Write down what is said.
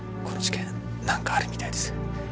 この事件何かあるみたいです。